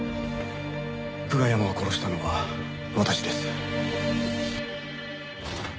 久我山を殺したのは私です。